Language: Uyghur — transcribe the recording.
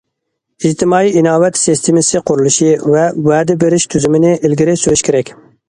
ئىجتىمائىي ئىناۋەت سىستېمىسى قۇرۇلۇشى ۋە ۋەدە بېرىش تۈزۈمىنى ئىلگىرى سۈرۈش كېرەك.